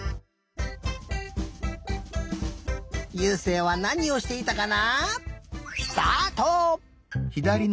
ゆうせいはなにをしていたかな？